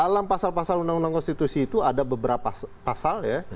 dalam pasal pasal undang undang konstitusi itu ada beberapa pasal ya